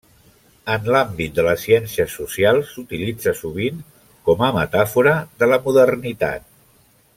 En l'àmbit de les ciències socials s'utilitza sovint com a metàfora de la modernitat.